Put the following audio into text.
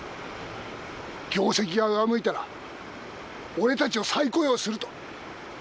「業績が上向いたら俺たちを再雇用する」と。